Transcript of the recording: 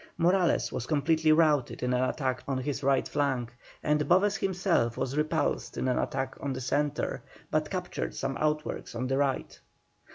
Morales was completely routed in an attack on his right flank, and Boves himself was repulsed in an attack on the centre, but captured some outworks on the right.